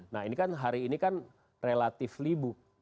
nah ini kan hari ini kan relatif libur